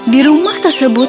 di rumah tersebut